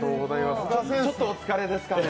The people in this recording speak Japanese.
ちょっとお疲れですかね。